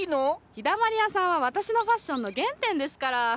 陽だまり屋さんは私のファッションの原点ですから！